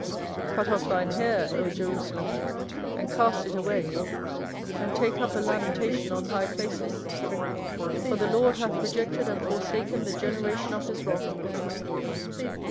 24:007:029 Cut off thine hair, O Jerusalem, and cast it away, and take up a lamentation on high places; for the LORD hath rejected and forsaken the generation of his wrath.